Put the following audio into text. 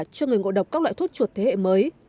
cho người ngộ độc các loại thuốc chuột thế hệ mới